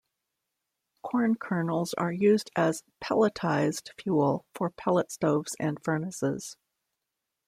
Corn kernels are used as pelletized fuel for pellet stoves and furnaces.